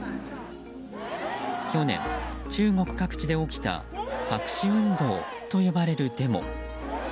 去年、中国各地で起きた白紙運動と呼ばれるデモ。